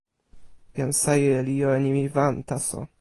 jan Saje li jo e nimi wan taso.